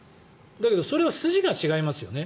だけどそれは筋が違いますよね。